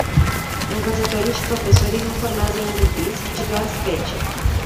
Învățătorii și profesorii nu formează indivizi, ci doar specii.